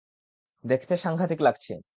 দেখতে সাংঘাতিক লাগছে।